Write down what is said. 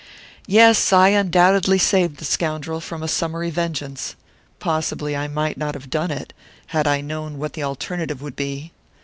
"Yes, I undoubtedly saved the scoundrel from a summary vengeance; possibly I might not have done it, had I known what the alternative would be.